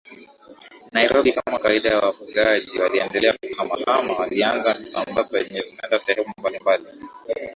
NairobiKama kawaida ya wafugaji waliendelea kuhamahama Walianza kusambaa kwenda sehemu mbalimbali